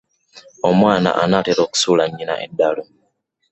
Omwana anaatera okusuula nnyina eddalu.